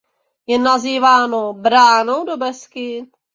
Je nazýváno bránou do Beskyd.